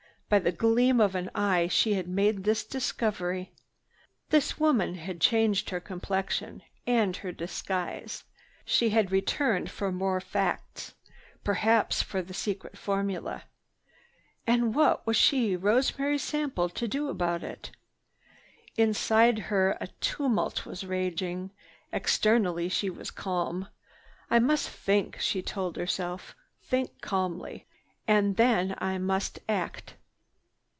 By the gleam of an eye she had made this discovery. This woman had changed her complexion and her disguise. She had returned for more facts, perhaps for the secret formula. And what was she, Rosemary Sample, to do about it? Inside her a tumult was raging. Externally she was calm. "I must think," she told herself, "think calmly. And then I must act."